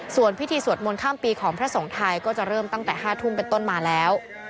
ส่วนพิธีสวดมนต์ข้ามปีของพระสงฆ์ไทยก็จะเริ่มตั้งแต่๕ทุ่มเป็นต้นมาแล้ว